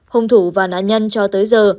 khung thủ và nạn nhân cho tới giờ